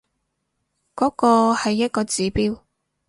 嗰個係一個指標